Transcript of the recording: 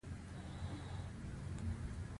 • هر سړی باید خپل مسؤلیت درک کړي.